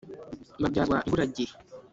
Babyazwa imburagihe